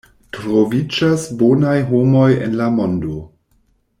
Troviĝas bonaj homoj en la mondo.